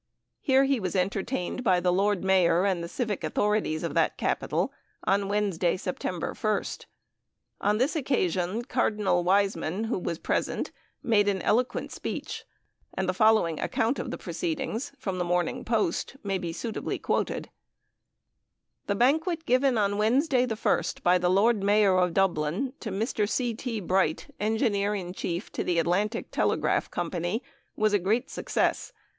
Here he was entertained by the Lord Mayor and civic authorities of that capital on Wednesday, September 1st. On this occasion Cardinal Wiseman, who was present, made an eloquent speech; and the following account of the proceedings from the Morning Post may be suitably quoted: The banquet given on Wednesday, the 1st, by the Lord Mayor of Dublin, to Mr. C. T. Bright, Engineer in Chief to the Atlantic Telegraph Company, was a great success.